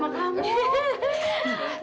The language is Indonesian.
kangen banget sama kamu